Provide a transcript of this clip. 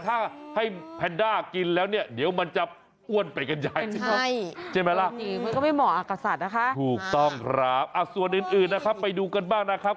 อื่นนะครับไปดูกันบ้างนะครับ